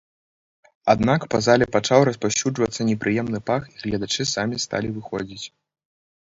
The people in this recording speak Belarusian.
Аднак па зале пачаў распаўсюджвацца непрыемны пах і гледачы самі сталі выходзіць.